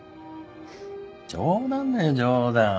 冗談だよ冗談。